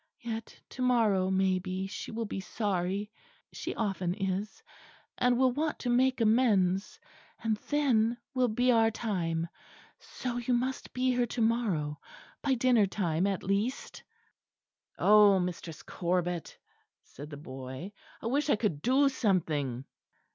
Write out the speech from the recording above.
Yet to morrow, maybe, she will be sorry, she often is and will want to make amends; and then will be our time, so you must be here to morrow by dinner time at least." "Oh, Mistress Corbet," said the boy, "I wish I could do something."